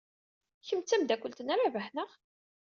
Kemm d tameddakelt n Rabaḥ, naɣ?